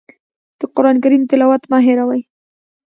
د قرآن کریم تلاوت مه هېروئ.